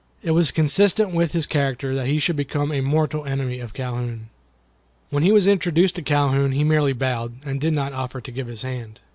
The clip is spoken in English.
It was consistent with his character that he should become a mortal enemy of Calhoun. When he was introduced to Calhoun he merely bowed, and did not offer to give his hand.